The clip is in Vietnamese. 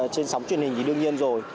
trên sóng truyền hình thì đương nhiên rồi